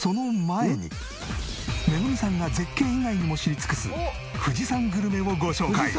めぐみさんが絶景以外にも知り尽くす富士山グルメをご紹介。